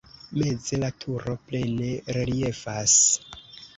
Meze la turo plene reliefas.